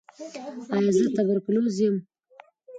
ایا زه تبرکلوز لرم؟